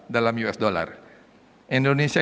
dalam us dollar indonesia